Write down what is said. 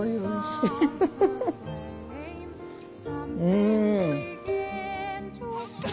うん。